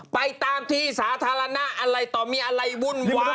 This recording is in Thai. ไปตามที่สาธารณะอะไรต่อมีอะไรวุ่นวาย